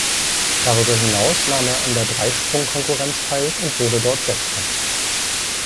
Darüber hinaus nahm er an der Dreisprung-Konkurrenz teil und wurde dort Sechster.